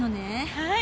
はい。